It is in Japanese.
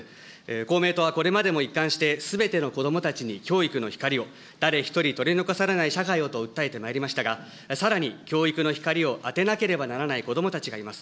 公明党はこれまでも一貫して、すべての子どもたちに教育の光を、誰一人取り残されない社会をと訴えてまいりましたが、さらに教育の光を当てなければならない子どもたちがいます。